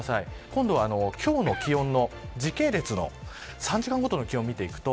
今度は今日の気温の時系列の３時間ごとの気温です。